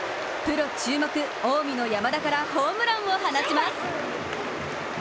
プロ注目、近江の山田からホームランを放ちます。